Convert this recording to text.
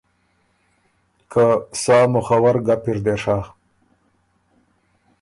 که ”سا مُخّور ګپ اِر دې ڒۀ“